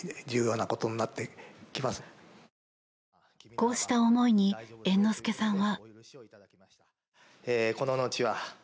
こうした思いに猿之助さんは。